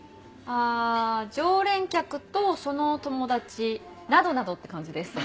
あ常連客とそのお友達などなどって感じです。